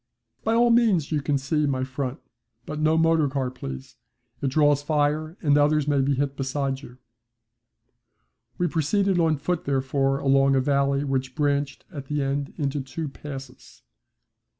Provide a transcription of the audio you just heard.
'By all means you can see my front. But no motorcar, please. It draws fire and others may be hit beside you.' We proceeded on foot therefore along a valley which branched at the end into two passes.